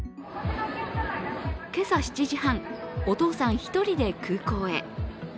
今朝７時半お父さん１人で空港へ。